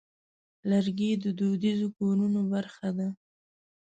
لرګی د دودیزو کورونو برخه ده.